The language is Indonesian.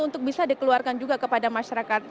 untuk bisa dikeluarkan juga kepada masyarakat